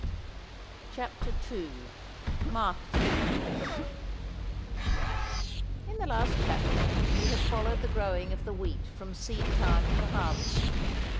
CHAPTER II MARKETING In the last chapter we have followed the growing of the wheat from seed time to harvest.